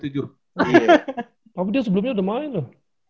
tapi dia sebelumnya udah main loh